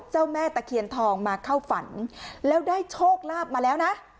เจ้าแม่ตะเคียนทองมาเข้าฝันแล้วได้โชคลาภมาแล้วนะ